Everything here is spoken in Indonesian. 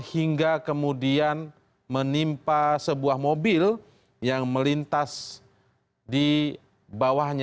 hingga kemudian menimpa sebuah mobil yang melintas di bawahnya